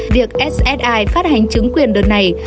việc ssi phát hành chứng quyền đợt này